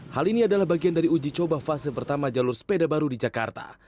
hal ini adalah bagian dari uji coba fase pertama jalur sepeda baru di jakarta